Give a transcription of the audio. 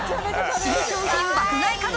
新商品爆買い家族